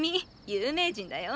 有名人だよ。